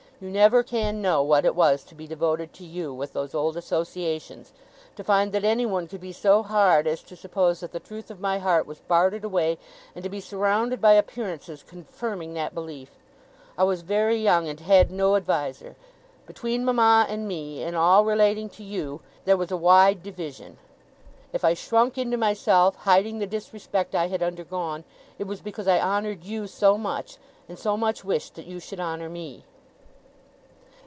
You never can know what it was to be devoted to you, with those old associations; to find that anyone could be so hard as to suppose that the truth of my heart was bartered away, and to be surrounded by appearances confirming that belief. I was very young, and had no adviser. Between mama and me, in all relating to you, there was a wide division. If I shrunk into myself, hiding the disrespect I had undergone, it was because I honoured you so much, and so much wished that you should honour me!